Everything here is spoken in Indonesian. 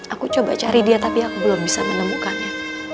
aku coba cari dia tapi aku belum bisa menemukannya